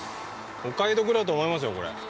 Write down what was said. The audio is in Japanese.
お買い得だと思いますよ、これ。